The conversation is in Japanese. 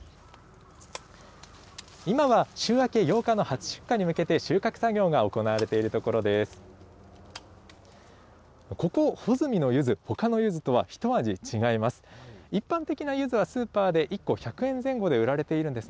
今は週明け８日の初出荷に向けて、収穫作業が行われているところです。